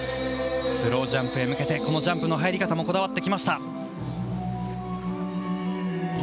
スロージャンプへ向けてこのジャンプの入り方もこだわってきました。